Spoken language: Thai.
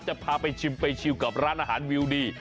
จะพาไปชิมไปชิวกับร้านอาหารวิวดี